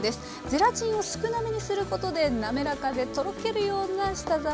ゼラチンを少なめにすることで滑らかでとろけるような舌触りに仕上げました。